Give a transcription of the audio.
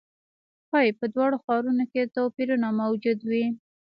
ښايي په دواړو ښارونو کې توپیرونه موجود وي.